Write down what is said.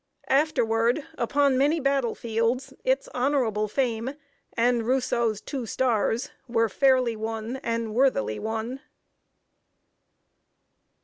Afterward, upon many battle fields, its honorable fame and Rousseau's two stars were fairly won and worthily worn.